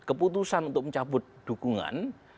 keputusan untuk mencabut dukungan